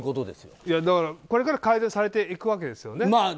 これから改善されていくわけですよね？